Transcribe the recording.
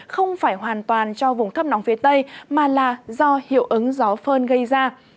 không phải hoàn toàn cho vùng thấp nóng phía tây mà là do hiệu ứng gió phơn gây ra